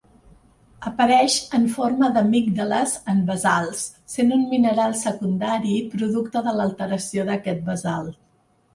Apareix en forma d'amígdales en basalts, sent un mineral secundari producte de l'alteració d'aquest basalt.